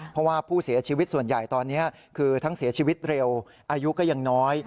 เพราะว่าผู้เสียชีวิตส่วนใหญ่ตอนนี้คือทั้งเสียชีวิตเร็วอายุก็ยังน้อย